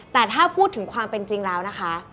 แต่ถ้าพูดถึงความเป็นจริงแล้วนะคะ